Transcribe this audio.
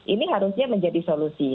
ini harusnya menjadi solusi